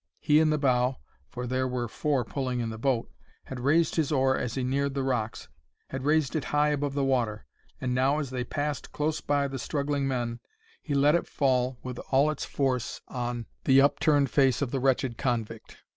He in the bow—for there were four pulling in the boat—had raised his oar as he neared the rocks,—had raised it high above the water; and now, as they passed close by the struggling men, he let it fall with all its force on the upturned face of the wretched convict.